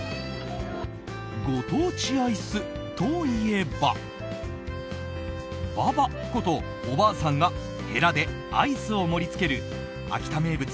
ご当地アイスといえばババことおばあさんがヘラでアイスを盛り付ける秋田名物